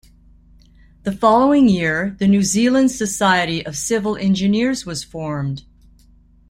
The following year the New Zealand Society of Civil Engineers was formed.